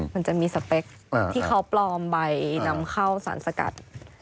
มันจะมีสเปคที่เขาปลอมใบนำเข้าสารสกัด